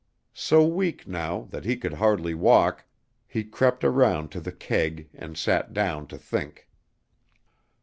So weak now that he could hardly walk, he crept around to the keg and sat down to think.